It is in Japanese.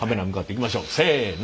せの。